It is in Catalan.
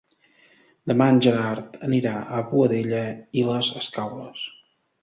Demà en Gerard anirà a Boadella i les Escaules.